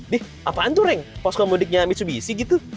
dih apaan tuh reng posko mudiknya mitsubishi gitu